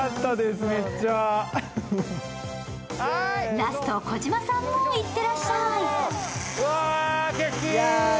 ラスト、児嶋さんも行ってらっしゃい！